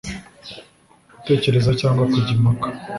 Gutekereza cyangwa kujya impaka